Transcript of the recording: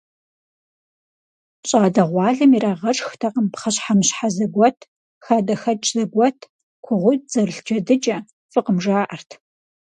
ЩӀалэгъуалэм ирагъэшхтэкъым пхъэщхьэмыщхьэ зэгуэт, хадэхэкӀ зэгуэт, кугъуитӀ зэрылъ джэдыкӀэ, фӀыкъым, жаӀэрт.